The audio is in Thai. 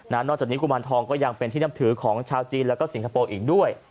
นอกจากนี้กุมารทองก็ยังเป็นที่นับถือของชาวจีนแล้วก็สิงคโปร์อีกด้วย